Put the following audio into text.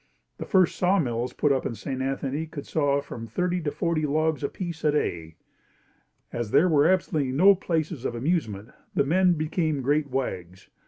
The first sawmills put up in St. Anthony could saw from thirty to forty logs apiece, a day. As there were absolutely no places of amusement, the men became great wags.